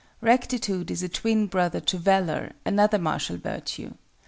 Rectitude is a twin brother to Valor, another martial virtue.